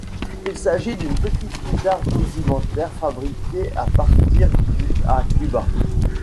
Il s'agit d'une petite guitare rudimentaire fabriquée à partir du à Cuba.